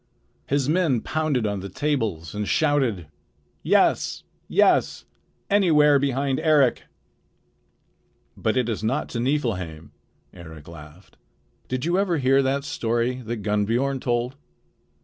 His men pounded on the tables and shouted: "Yes! Yes! Anywhere behind Eric!" "But it is not to Niflheim," Eric laughed. "Did you ever hear that story that Gunnbiorn told?